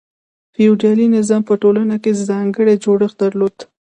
فیوډالي نظام په ټولنه کې ځانګړی جوړښت درلود.